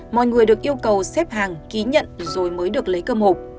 mọi người được yêu cầu xếp hàng ký nhận rồi mới được lấy cơm hộp